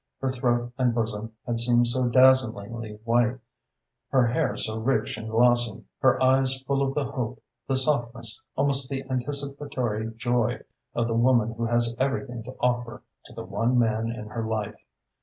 Her throat and bosom had seemed so dazzlingly white, her hair so rich and glossy, her eyes full of the hope, the softness, almost the anticipatory joy of the woman who has everything to offer to the one man in her life.